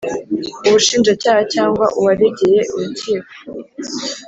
Ubushinjacyaha cyangwa uwaregeye urukiko